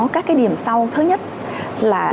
các cái điểm sau thứ nhất là